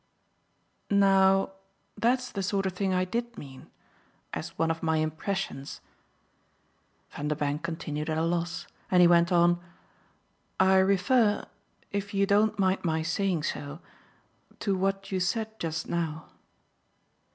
"Now that's the sort of thing I did mean as one of my impressions." Vanderbank continued at a loss and he went on: "I refer if you don't mind my saying so to what you said just now."